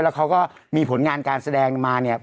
แล้วเขาก็มีผลงานการแสดงมาเนี่ย